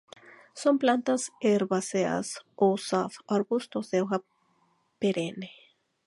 Son plantas herbáceas o sub arbustos de hoja perenne.